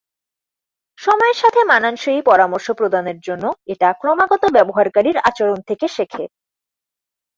সময়ের সাথে মানানসই পরামর্শ প্রদানের জন্য এটা ক্রমাগত ব্যবহারকারীর আচরণ থেকে শেখে।